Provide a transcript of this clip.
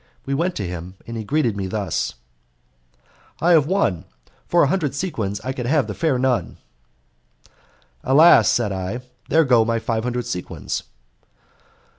We went to him, and he greeted me thus: "I have won; for a hundred sequins I can have the fair nun! "Alas!" said I, "there go my five hundred sequins."